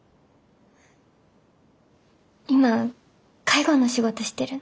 今介護の仕事してる。